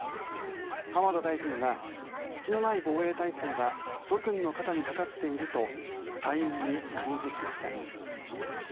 浜田大臣は隙のない防衛体制は諸君の肩にかかっていると隊員に訓示しました。